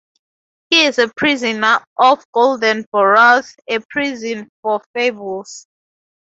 He is a prisoner of Golden Burroughs, a prison for Fables.